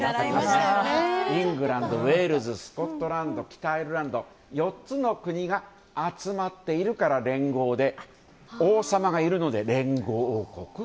イングランド、ウェールズスコットランド北アイルランド、４つの国が集まっているから連合で王様がいるので連合王国。